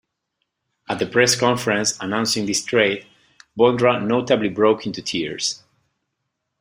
At the press conference announcing this trade, Bondra notably broke into tears.